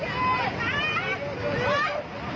เยี่ยมมากครับ